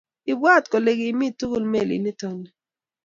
Ibwat kole kimi tugul melit nito ni